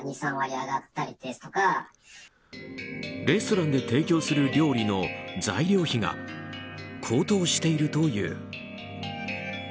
レストランで提供する料理の材料費が高騰しているという。